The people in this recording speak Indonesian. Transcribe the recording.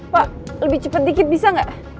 pak lebih cepat dikit bisa nggak